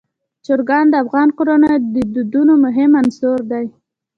چرګان د افغان کورنیو د دودونو مهم عنصر دی.